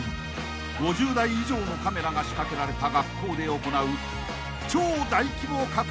［５０台以上のカメラが仕掛けられた学校で行う超大規模かくれんぼ］